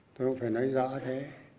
tôi không phải nói rõ thế